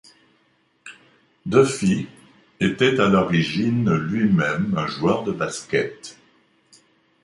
Duffy était à l'origine lui-même un joueur de basket.